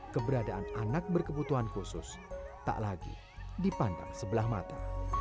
keberadaan anak berkebutuhan khusus tak lagi dipandang sebelah mata